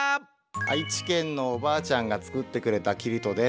愛知県のおばあちゃんがつくってくれたキルトです。